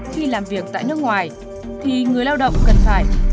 khi làm việc tại nước ngoài thì người lao động cần phải